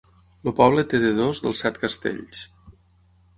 El poble té de dos dels set castells.